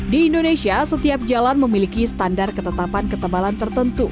di indonesia setiap jalan memiliki standar ketetapan ketebalan tertentu